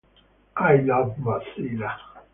I love Mozilla!